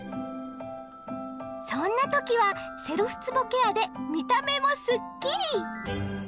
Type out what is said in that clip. そんな時はセルフつぼケアで見た目もスッキリ！